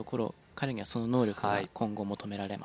彼にはその能力が今後求められます。